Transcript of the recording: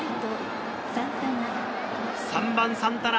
３番・サンタナ、